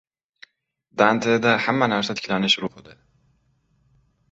Danteda hamma narsa tiklanish ruhida.